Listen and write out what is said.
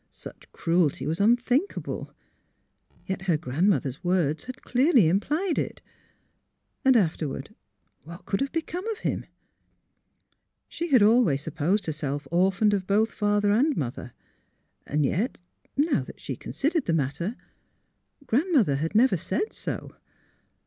Such cruelty was unthinkable. Yet her grand mother's words had clearly implied it. And after ward — what could have become of him ? She had always supposed herself orphaned of both father 111 112 THE HEAET OF PHILURA and mother. And yet — now that she considered the matter — Grandmother had never said so.